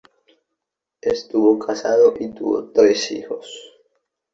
Estuvo casado y tuvo tres hijos.